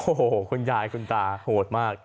โอ้โหคุณยายคุณตาโหดมาก